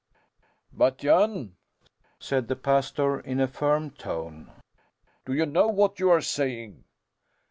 "But Jan!" said the pastor in a firm tone, "do you know what you are saying?"